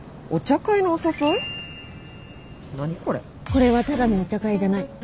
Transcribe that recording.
これはただのお茶会じゃない。